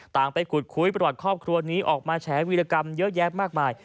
ไปขุดคุยประวัติครอบครัวนี้ออกมาแฉวีรกรรมเยอะแยะมากมาย